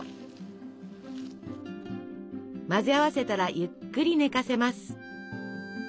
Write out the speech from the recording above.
混ぜ合わせたらゆっくり寝かせます。